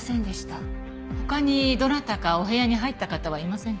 他にどなたかお部屋に入った方はいませんか？